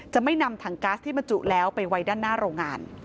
จะไม่นำถังก๊าซที่บรรจุแล้วไปไว้ด้านหน้าโรงงาน